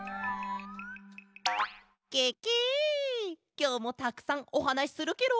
きょうもたくさんおはなしするケロ！